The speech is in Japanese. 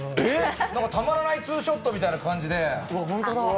なんか、たまらないツーショットみたいな感じで。